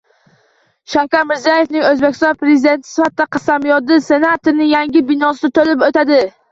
Shavkat Mirziyoyevning O‘zbekiston Prezidenti sifatida qasamyodi Senatning yangi binosida bo‘lib o‘tadi